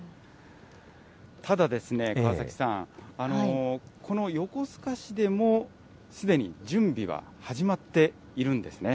ただですね、川崎さん、この横須賀市でもすでに準備が始まっているんですね。